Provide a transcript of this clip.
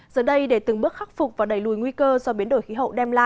giờ đây để từng bước khắc phục và đẩy lùi nguy cơ do biến đổi khí hậu